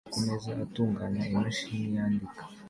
Umugabo wicaye kumeza atunganya imashini yandika